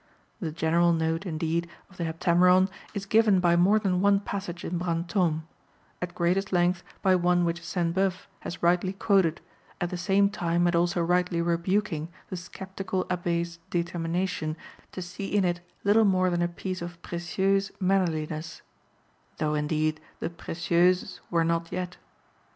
The general note, indeed, of the Heptameron is given by more than one passage in Brantôme at greatest length by one which Sainte Beuve has rightly quoted, at the same time and also rightly rebuking the sceptical Abbé's determination to see in it little more than a piece of précieuse mannerliness (though, indeed, the Précieuses were not yet).